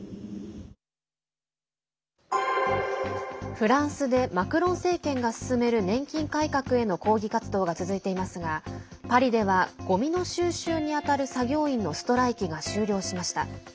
フランスでマクロン政権が進める年金改革への抗議活動が続いていますがパリではゴミの収集に当たる作業員のストライキが終了しました。